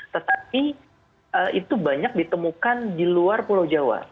tetapi itu banyak ditemukan di luar pulau jawa